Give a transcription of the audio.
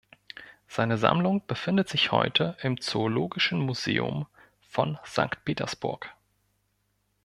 Seine Sammlung befindet sich heute im Zoologischen Museum von Sankt Petersburg.